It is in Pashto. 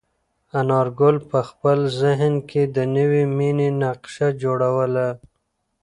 انارګل په خپل ذهن کې د نوې مېنې نقشه جوړوله.